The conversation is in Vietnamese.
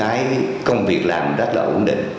cái công việc làm rất là ổn định